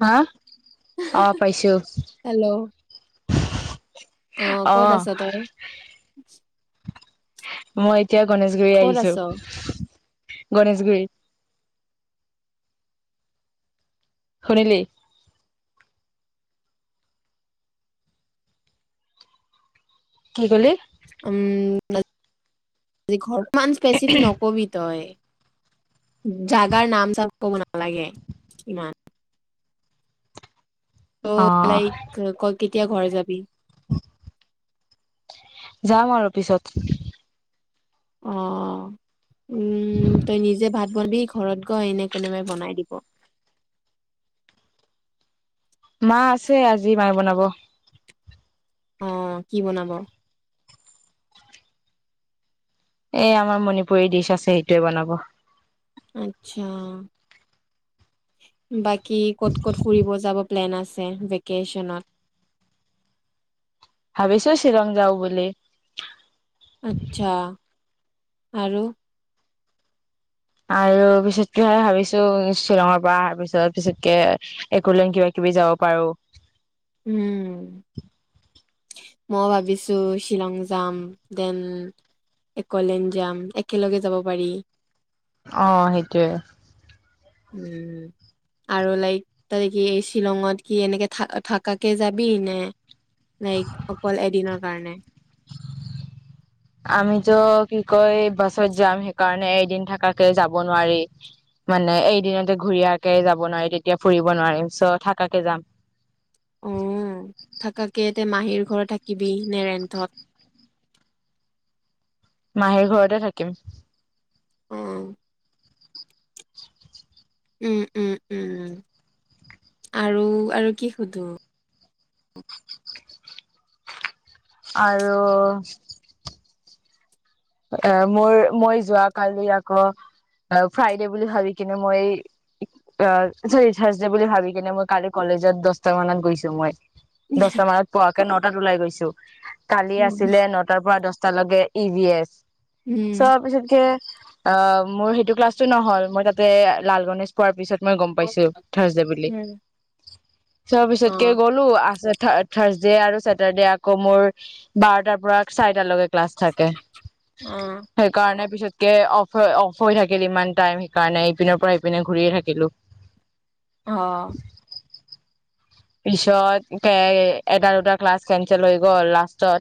হা অ পাইছো হেল্ল' অ', ক'ত আছ তই? মই এতিয়া গনেশগুৰি ক'ত আহিছো। আছ গণেশগুৰি। শুনিলি? কি ক'লি? উম, ঘৰ মান স্পেচিফিক নক'বি তই। জাগাৰ নাম চাপ ক'ব নালাগে ইমান। অ ত' লাইক ক' কেতিয়া ঘৰ যাবি? যাম আৰু পিছত। অহ উম, তই নিজে ভাত [unintelligible] ঘৰত গৈ এনে কোনোবাই বনাই দিব। মা আছে, আজি মায়ে বনাব। অ', কি বনাব? এ আমাৰ মণিপুৰী ডিচ আছে সেইটোৱে বনাব। আতছা বাক কি ক'ত ক'ত ফুৰিব যাব? প্লেন আছে ভেকেশ্যনত? ভাবিছো শ্বিলং যাওঁ বুলি। আতচ্ছা আৰু? আৰু পিছতকেহে ভাবিছো শ্বিলঙৰ পৰা আৰ পিছত পিছতকে একলেন কিবা কিবি যাব পাৰো। উম। মই ভাবিছো শ্বিলং যাম, দেন একলেন যাম একেলগে যাব পাৰি। অ', সেইটোয়ে। উম, আৰু লাইক তই কি এই শ্বিলঙত কি এনেকে থ থাকাকে যাবি নে লাইক অকল এদিনৰ কাৰণে? আমি ত কি কয় বাছত যাম, সেইকাৰণে এদিন থাকাকে যাব নোৱাৰি মানে এইদিনতে ঘুৰি আহাকে যাব নোৱাৰি তেতিয়া ফুৰিব নোৱাৰিম চ থাকাকে যাম। অ থাকাকে তে মাহীৰ ঘৰত থাকিবি নে ৰেন্ঠত? মাহীৰ ঘৰতে থাকিম। [unintelligible] উম, উম, উম, উম আৰু আৰু কি সুধো? আৰু এ মোৰ মই যোৱা কালি আকৌ ফ্ৰাইডে বুলি ভাবি কিনে মই আ, চৰি থাৰছডে বুলি ভাবি কিনে মই কালি কলেজত দচটা মানত গৈছো মই। দচটা মানত পোৱাকে নটাত ওলাই গৈছো। কালি উম আছিলে নটাৰ পৰা দচ তালকে ই ভি এছ উম চ'পিছতকে অ', মোৰ সেইটো ক্লাছটো নহ'ল মই তাত তে লাল গনেশ পোৱাৰ পিছত মই গম পাইছো থাৰ্চডে বুলি। উম, চ অ পিছত কে গ'লো আছে থ থাৰ্চ আৰু ছেটাৰ্ডে আকৌ মোৰ বাৰটাৰ পৰা চাৰিটালৈকে ক্লাছ থাকে। অ'। সেইকাৰণে পিছতকে অফ অফ হৈ থাকিল ইমান টাইম সেইকাৰণে ইপিনৰ পৰা ইপিনে ঘূৰিয়ে থাকিলো। অ'। পিছতকে এটা, দুটা ক্লাছ কেনচেল হৈ গ'ল লাষ্টত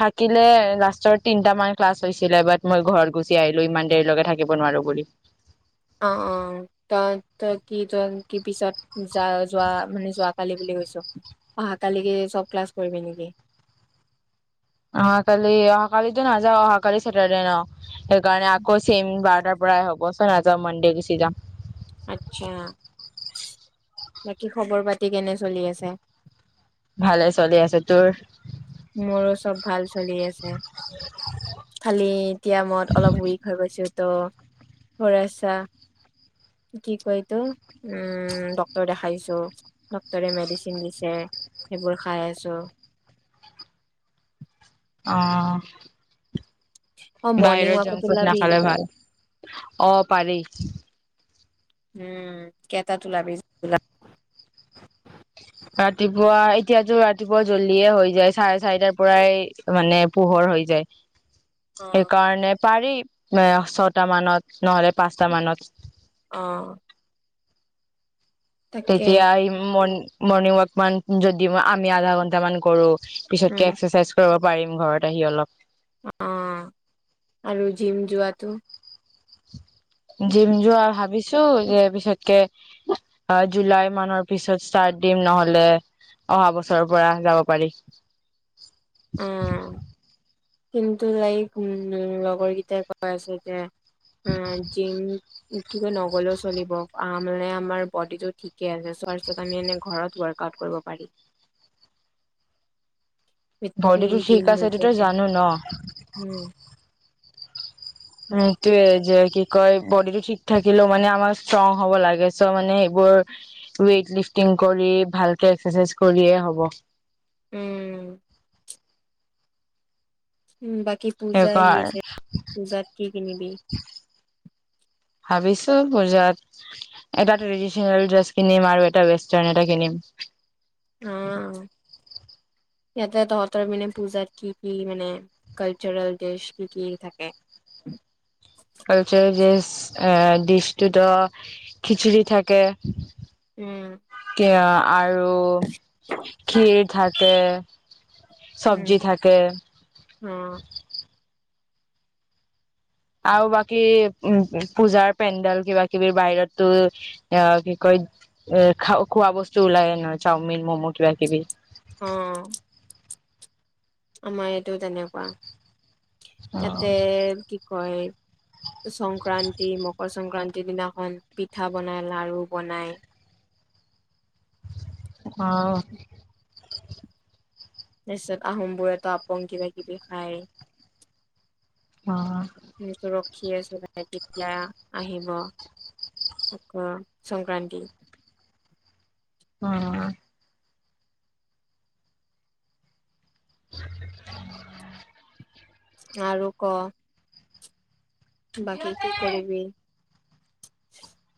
থাকিলে লাষ্টৰ তিনটা মান ক্লাছ হৈছিলে বাট মই ঘৰত গুচি আহিলো ইমান দেৰিলৈকে থাকিব নোৱাৰো বুলি। অ', অ', তই, তই কি তই কি পিছত যা-যোৱা মানে যোৱাকালি বুলি কৈছ অহাকালি কি চব ক্লাছ কৰিবি নেকি? অহাকালি অহা কালিতো নাযাওঁ অহা কালি চেটাৰডে ন? সেইকাৰণে আকৌ চেইম বাৰটা পুৰা এবচৰ নাযাও মনডে গুচি যাম। আচ্ছা বাকী খবৰ পাতি কেনে চলি আছে? ভালে চলি আছো। তোৰ? মোৰো চব ভাল চলি আছে। খালি ডক্টৰক দেখাই আচা। কি কয় এই টো? উম ডক্টৰ দেখাইছো ডক্টৰে মেডিচিন দিছে সেইবোৰ খাই আছো। অ'। অ মৰ্ণিং বাহিৰৰ ৱাকত জাংক ফুড না ওলাবি খালে ভাল। অ' পাৰি। উম কেইটাত ওলাবি? ৰাতিপুৱা এতিয়াতো ৰাতিপুৱা জ্বলদিয়ে হৈ যায়। চাৰে চাৰিটাৰ পৰাই মানে পোহৰ হৈ যায়। অ সেইকাৰণে পাৰি এ ছয়টা মানত নহলে পাঁচটা মানত। অ'। তাকে তেতিয়া আহিবি মণি মৰ্ণিং ৱাক মান যদি আমি আধা ঘন্টা মান কৰো। উম পিছতকে এক্সাৰচাইজ কৰা পাৰিম ঘৰত আহি অলপ। অ' আৰু জিম যোৱাটো? জিম যোৱা ভাবিছো যে পিছতকে জুলাই মানৰ পিছত ষ্টাৰ্ট দিম নহ'লে অহা বছৰৰ পৰা যাব পাৰি। অ [unintelligible] কিন্তু লাইক উম, লগৰকেইটাই কৈ আছে যে অ', জিম কি নগলেও চলিব মানে আমাৰ ব'ডিটো ঠিকে আছে চ্থত আমি এনে ঘৰত ৱৰ্ক আউট কৰিব পাৰি। বডিটো ঠিক জিম আছেতই নোযোৱাকে জানো ন'। উম উটোয়ে যে কি কয় বডিটো ঠিক থাকিলেও মানে আমাৰ ষ্ট্ৰং হ'ব লাগে চ' মানে সবোৰ ৱেইট লিফটিং কৰি ভালকে এক্সাৰচাইজ কৰিয়ে হ'ব। উম। উম, বাকী পূজা আহি সেইকাৰ আছে, পূজাত কি কিনিবি? ভাবিছো পূজাত এটা ট্ৰেডিচনেল ড্ৰেছ কিনিম আৰু এটা ৱেষ্টাৰ্ণ এটা কিনিম। অ', ইয়াতে তহঁতৰ মানে পূজাত কি কি মানে কালচাৰেল ড্ৰেছ কি কি থাকে? কালচাৰেল ডিচ ডিচটোত অঁ খিচিৰি থাকে উম আৰু ক্ষীৰ থাকে চবজি উম থাকে অ আৰু বাকী উ পূজাৰ পেণ্ডেল কিবা কিবি বাহিৰততো এ কি কয় এ খ খোৱা বস্তু ওলায় নহয় চাওমিন ম'ম' কিবা কিবি অঁ আমাৰ এইটো তেনেকুৱা অ ইয়াতে কি হয় সংক্ৰান্তি মকৰ সংক্ৰান্তিৰ দিনাখন পিঠা বনাই লাড়ু বনায় আঅ তাৰপিছত আহোমবোৰেতা আপং কিবা কিবি, খায় অঁ ৰখ্খি আছো চাই তেতিয়া, আহিব আ সংক্ৰান্তি অম [inaudible] আৰু ক বাকী কি কৰিববি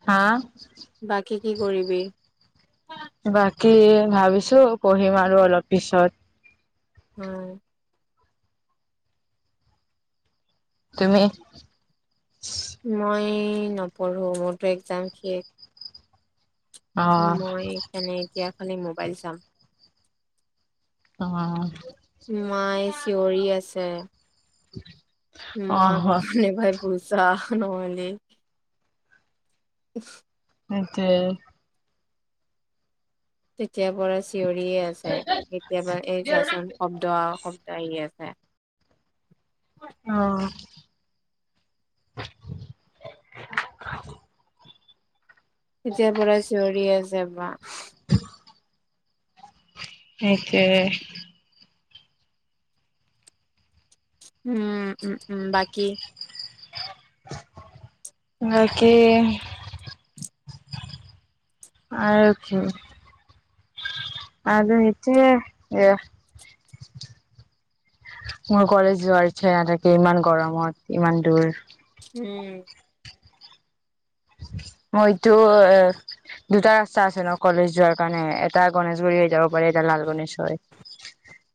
হা কি কৰিবি বাকী ভাবিছো পঢ়িম আৰু অলপ পিছত উম তুমি মই নপঢ়ো মোৰতো এক্জাম শেষ অ উম এই খানে এতিয়া মোবাইল চাম অঁ মাই চিঞৰি আছে [inaudible] অ মাক মানে ভাই বুজা নোহলে [unintelligible] সেইটোৱে তেতিয়াৰ পৰাই চি থিয়ৰি আছে কেতিয়াবা এই জাচোন শব্দ আ শব্দ আহি আছে অঁ [unintelligible] তেতিয়াৰ পৰা চিঞৰি আছে বা [inaudible] সেইটোৱে উম, উম উম বাকী বাকী আৰু কি [unintelligible] মোৰ কলেজ যোৱাৰ ইচ্ছা নাথাকে ইমান গৰমত ইমান দূৰ উম মইতো এ দুটা ৰাস্তা আছে ন কলেজ যোৱাৰ কাৰণে এটা গনেেশগুৰি হৈ যাব পাৰি এটা লাল গনেশ হৈ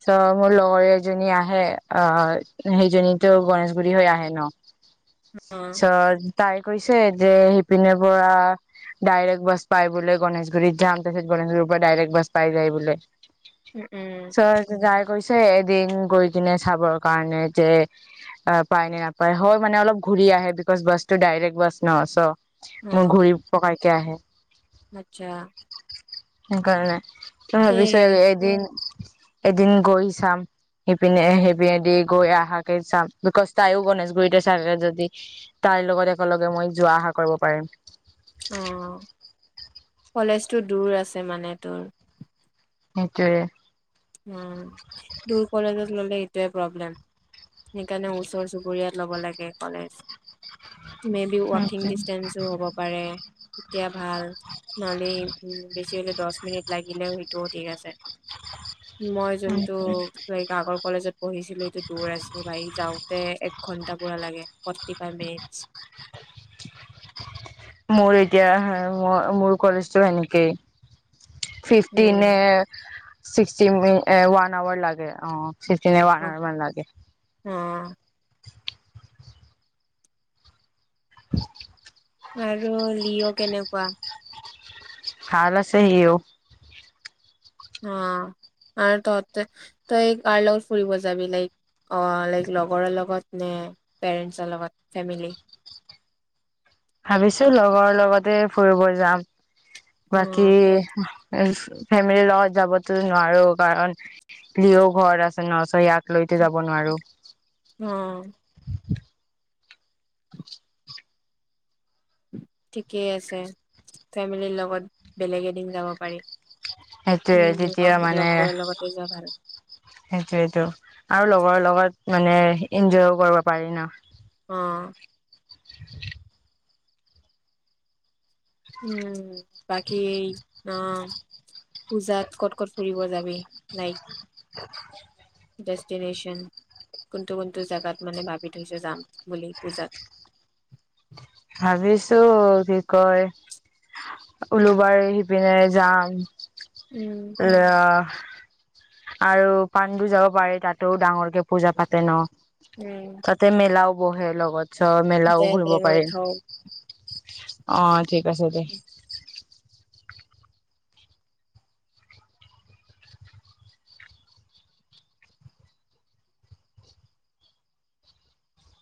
চ মোৰ লগৰ এজনী আহে আহ সেইজনীতো গনেশগুৰি হৈ আহে ন আ অ', ছা তাই কৰিছে যে শিপিনীৰ পৰা ডাইৰেক্ট বাছ পাই বোলে গণেশগুৰিত যাম তাৰপিত গণেশগুৰিৰ পৰা ডাইৰেক্ট বাছ পাই যায় বোলে উম, উম, চজ যায় গৈছে এদিন গৈ কিনে চাবৰ কাৰণে যে অ পায় নে নাপায় হয় মানে অলপ ঘূৰি আহে বিকজ বাছ টো ডাইৰেক্ট বাছ ন চ মোৰ অ', ঘূৰি পকাই তাহ আচ্ছা সেইকাৰণে তই ভাবিছ সেয়ে এদিন এদিন গৈ চাম সিপিনে সিপিনেদি গৈ অহাকে চাম বিকজ তাইও গনেেশগুৰিতে চাকে যদি তাইৰ লগত একেলগে মই যোৱা অহা কৰিব পাৰিম অ', কলেজটো দূৰ আছে মানে তোৰ সেইটোৱে উ দুৰ কলেজত ললে এইটোৱে প্ৰব্লেম সেইকাৰণে ওচৰ চুবুৰীয়াত ল'ব লাগে কলেজ মে বি ৱাকিং ডিচেঞ্চো হ'ব পাৰে তেতিয়া ভাল নহ'লে বেছি হ'লে দহ মিনিট লাগিলেও সেইটোত ঠিক আছে মই যোনটো লাইক আগৰ কলেজত পঢ়িছিলো এইটো দূৰ আছিলো আহ়ি যাওঁতে এক ঘন্টা পুৰা লাগে ফোৰটি ফাইভ মিনিটছ মোৰ এতিয়া ম মোৰ কলেজতটো সেনেকেই fifteen um, sixty one hour লাগে অ চিতি নে মন লাগে অ' [unintelligible] আৰু লিঅ' কেনেকুৱা ভাল আছে সিও অ আৰু তহ তই লগত ফুৰিব যাবি লাইক অ লাইক লগৰৰ লগত নে পেৰেঞ্চৰ লগত ফেমিলি ভাবিছো লগৰ লগতে ফুৰিব যাম বাকী অ' ফেমিলিৰ লগত যাবতো নোৱাৰো কাৰণ লিঅও ঘৰত আছে ন চ ইয়াক লৈতে যাব নোৱাৰো অ' ঠিকেই আছে ফেমিলিৰ লগত বেলেগ এদিন যাব পাৰি সেইটোয়ে উম তেতিয়া লগ লগবোৰৰ লগতে যোৱা ভাল সেইটোৱেতো আৰু লগৰ লগত মানে এনজয়ও কৰিব পাৰি ন। অ [unintelligible] উম বাকী অ পূজাত ক'ত ক'ত ফুৰিব যাবি লাইক [unintelligible] ডেষ্টিনেশচন কোনটো কোনটো জোগাত মানে ভাবি থৈছে যাম বুলি বুজাত ভাবিছো কি কয় উলুবাৰী সিপিনে যাম উম [unintelligible] আৰু পাণ্ডু যাব পাৰি তাতো ডাঙৰকে পূজা পাতে ন। উম তাতে মেলাও বহে লগত চ দে মেলাও ঘূৰিব দে মই পাৰি থওঁ অ ঠিক আছে দে [unintelligible]